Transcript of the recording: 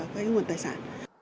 cái nguồn tài sản